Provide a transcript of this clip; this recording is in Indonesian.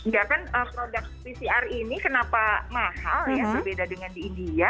ya kan produk pcr ini kenapa mahal ya berbeda dengan di india